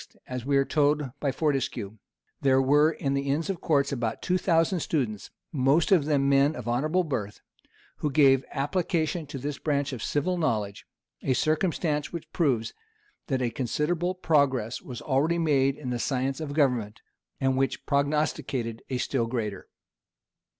as we are told by Fortescue, there were in the inns of court about two thousand students, most of them men of honorable birth, who gave application to this branch of civil knowledge: a circumstance which proves, that a considerable progress was already made in the science of government, and which prognosticated a still greater.